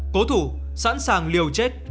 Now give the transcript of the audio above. cố thủ sẵn sàng liều chết